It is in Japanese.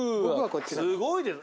すごいです。